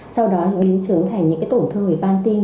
sau đó biến chứng thành những tổn thương về van tim